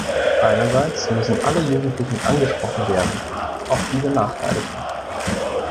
Einerseits müssen alle Jugendlichen angesprochen werden, auch die benachteiligten.